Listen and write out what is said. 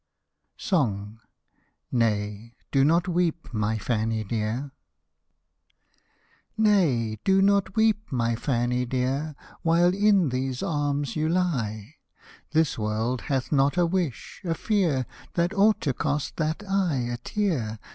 SONG Nay, do not weep, my Fanny dear ; While in these arms you lie, This world hath not a wish, a fear, That ought to cost that eye a tear.